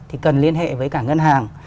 thì cần liên hệ với cả ngân hàng